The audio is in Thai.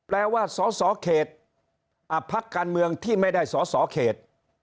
ว่าสสเขตพักการเมืองที่ไม่ได้สอสอเขต